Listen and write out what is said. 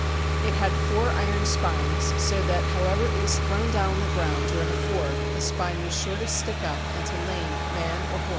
It had four iron spines, so that, however it was thrown down on the ground or in a ford, a spine was sure to stick up and to lame man or horse.